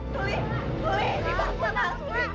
suli suli bangun mbak